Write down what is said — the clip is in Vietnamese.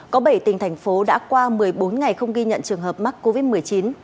có bảy tỉnh thành phố đã qua một mươi bốn ngày không ghi nhận trường hợp mắc covid một mươi chín